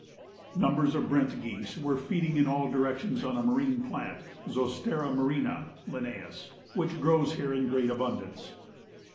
Numbers of Brent geese were feeding in all directions on a marine plant (zostera marina, Linn.) which grows here in great abundance.